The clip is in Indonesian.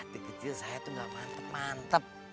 di kecil saya tuh gak mantep mantep